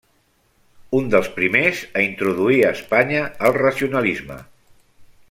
Un dels primers a introduir a Espanya el racionalisme.